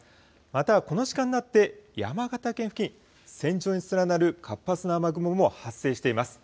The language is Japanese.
またこの時間になって山形県付近線状に連なる活発な雨雲も発生しています。